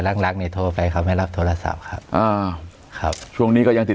รักนี่โทรไปครับไม่รับโทรศัพท์ครับช่วงนี้ก็ยังติด